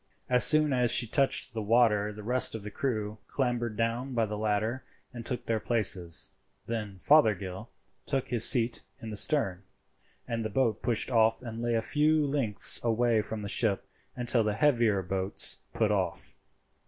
As soon as she touched the water the rest of the crew clambered down by the ladder and took their places; then Fothergill took his seat in the stern, and the boat pushed off and lay a few lengths away from the ship until the heavier boats put off.